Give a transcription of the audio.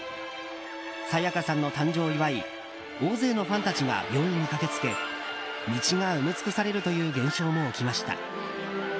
沙也加さんの誕生を祝い大勢のファンたちが病院に駆けつけ道が埋め尽くされるという現象も起きました。